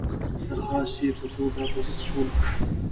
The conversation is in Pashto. د خاصې په توګه در ټول کړه.